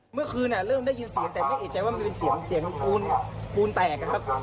เมื่อคืนเริ่มได้ยินเสียงแต่ไม่เอกใจว่ามันเป็นเสียงปูนปูนแตกกันครับ